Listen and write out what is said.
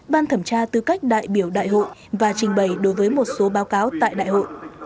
ban thẩm tra tư cách đại biểu đại hội và trình bày đối với một số báo cáo tại đại hội